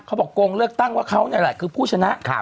เขาบอกโกงเลือกตั้งว่าเขาคือผู้ชนะ